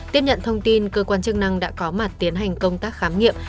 tiếp nhận thông tin cơ quan chức năng đã có mặt tiến hành công tác khám nghiệm